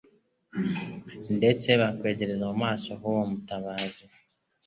ndetse bakwegereza mu maso h'uwo Mutabazi.